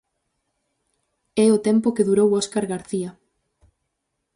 É o tempo que durou Óscar García.